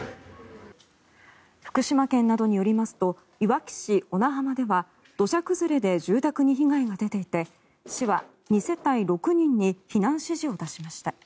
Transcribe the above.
福島県などによりますといわき市小名浜では土砂崩れで住宅に被害が出ていて市は２世帯６人に避難指示を出しました。